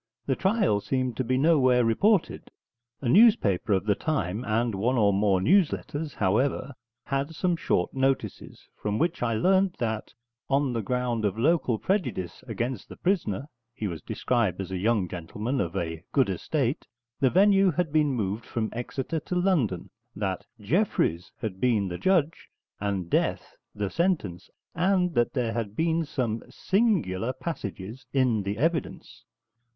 The trial seemed to be nowhere reported. A newspaper of the time, and one or more news letters, however, had some short notices, from which I learnt that, on the ground of local prejudice against the prisoner (he was described as a young gentleman of a good estate), the venue had been moved from Exeter to London; that Jeffreys had been the judge, and death the sentence, and that there had been some 'singular passages' in the evidence.